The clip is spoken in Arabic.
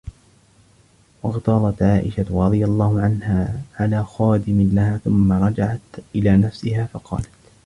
وَاغْتَاظَتْ عَائِشَةُ رَضِيَ اللَّهُ عَنْهَا عَلَى خَادِمٍ لَهَا ثُمَّ رَجَعَتْ إلَى نَفْسِهَا فَقَالَتْ